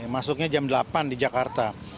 masuknya jam delapan di jakarta